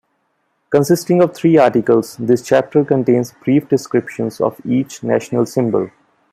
Consisting of three articles, this chapter contains brief descriptions of each national symbol.